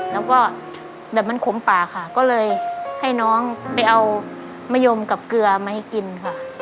แล้วก็แบบมันขมปากค่ะก็เลยให้น้องไปเอามะยมกับเกลือมาให้กินค่ะ